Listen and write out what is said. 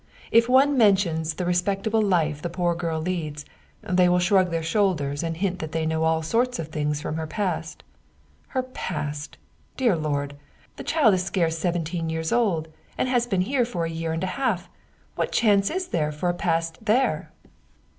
If one mentions the respectable life the poor girl leads, they will shrug their shoulders and hint that they know of all sorts of things from her past. Her past, dear Lord ! The child is scarce seventeen years old, and has been here for a year and a half. What chance is there for a past there?"